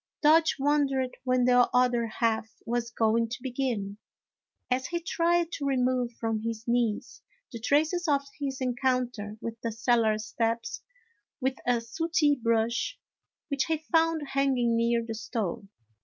Dodge wondered when the other half was going to begin, as he tried to remove from his knees the traces of his encounter with the cellar steps, with a sooty brush which he found hanging near the stove.